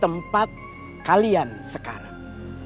tempat kalian sekarang